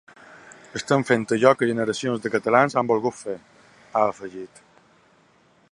Estem fent allò que generacions de catalans han volgut fer, ha afegit.